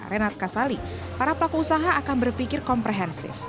sebagai ekonom universitas indonesia renat kasali para pelaku usaha akan berpikir komprehensif